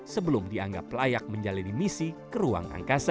sebelum dianggap layak menjalani misi ke ruang angkasa